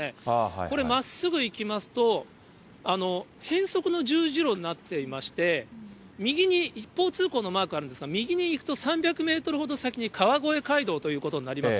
これ、まっすぐ行きますと、変則の十字路になっていまして、右に一方通行のマークあるんですが、右に行くと、３００メートルほど先に川越街道ということになります。